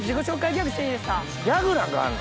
ギャグなんかあんの？